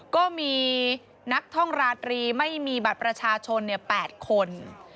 ก็มีนักท่องราตรีไม่มีบัตรประชาชน๘คน